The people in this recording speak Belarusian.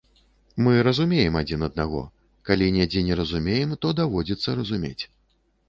Мы разумеем адзін аднаго, калі недзе не разумеем, то даводзіцца разумець.